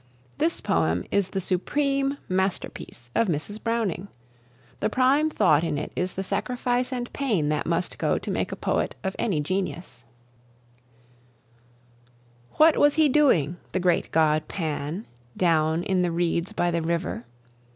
This poem is the supreme masterpiece of Mrs. Browning. The prime thought in it is the sacrifice and pain that must go to make a poet of any genius. "The great god sighed for the cost and the pain." What was he doing, the great god Pan, Down in the reeds by the river?